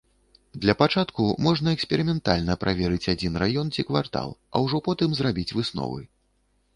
Для пачатку можна эксперыментальна праверыць адзін раён ці квартал, а ўжо потым зрабіць высновы.